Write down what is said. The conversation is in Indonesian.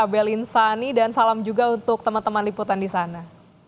dan sani dan salam juga untuk teman teman liputan di sana